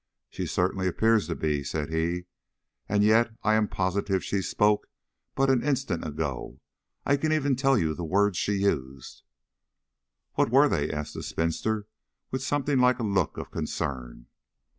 "She certainly appears to be," said he, "and yet I am positive she spoke but an instant ago; I can even tell you the words she used." "What were they?" asked the spinster, with something like a look of concern.